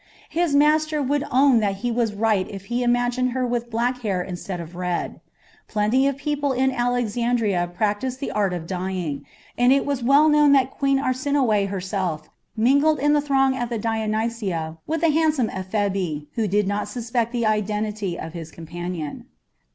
His master would own that he was right if he imagined her with black hair instead of red. Plenty of people in Alexandria practised the art of dyeing, and it was well known that Queen Arsinoe herself willingly mingled in the throng at the Dionysia with a handsome Ephebi, who did not suspect the identity of his companion.